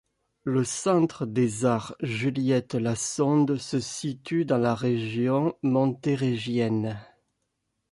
Le Centre des arts Juliette-Lassonde se situe dans la région montérégienne.